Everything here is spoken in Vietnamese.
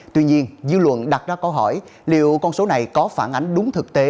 tuy nhiên dư luận đặt ra câu hỏi liệu con số này có phản ánh đúng thực tế